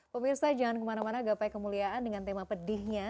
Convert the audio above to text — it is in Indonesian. pemirsa jangan kemana mana gapai kemuliaan dengan tema pedihnya